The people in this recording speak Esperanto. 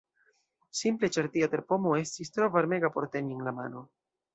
Simple ĉar tia terpomo estis tro varmega por teni en la mano!